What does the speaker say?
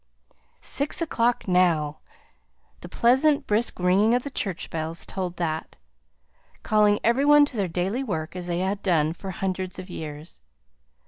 Six o'clock now! the pleasant, brisk ringing of the church bells told that; calling every one to their daily work, as they had done for hundreds of years.